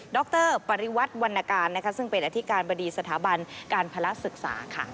ด็อกเตอร์ปริวัติวรรณการนะคะซึ่งเป็นอธิการบดีสถาบันการพละศึกษาค่ะ